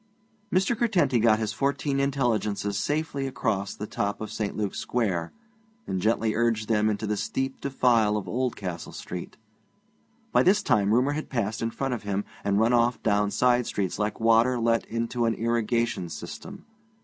Mr. Curtenty got his fourteen intelligences safely across the top of St. Luke's Square, and gently urged them into the steep defile of Oldcastle Street. By this time rumour had passed in front of him and run off down side streets like water let into an irrigation system.